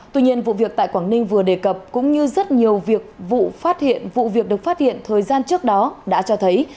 tuy nhiên vụ việc tại quảng ninh vừa đề cập cũng như rất nhiều vụ việc được phát hiện thời gian trước đó đã cho thấy